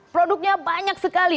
produknya banyak sekali